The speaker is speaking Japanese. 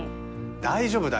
大丈夫だよ。